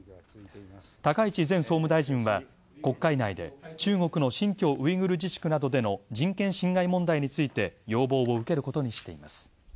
高市前総務大臣は、国会内で中国の新疆ウイグル自治区などでの人権侵害問題について要望を受けることにしています。